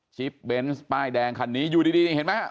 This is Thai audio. ชิปเบนซ์ป้ายแดงคันนี้อยู่ดีเห็นมั้ยฮะ